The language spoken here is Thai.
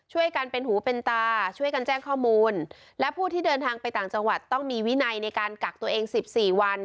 ช่วยกันเป็นหูเป็นตาช่วยกันแจ้งข้อมูลและผู้ที่เดินทางไปต่างจังหวัดต้องมีวินัยในการกักตัวเองสิบสี่วัน